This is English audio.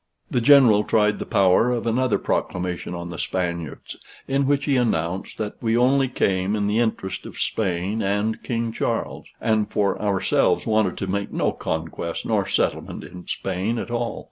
The general tried the power of another proclamation on the Spaniards, in which he announced that we only came in the interest of Spain and King Charles, and for ourselves wanted to make no conquest nor settlement in Spain at all.